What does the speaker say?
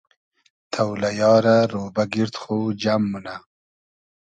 تۆلئیا رۂ رۉبۂ گیرد خو جئم مونۂ